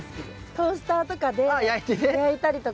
トースターとかで焼いたりとか。